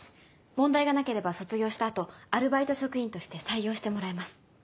問題がなければ卒業した後アルバイト職員として採用してもらえます。